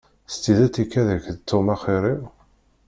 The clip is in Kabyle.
S tidet ikad-ak-d Tom axir-iw?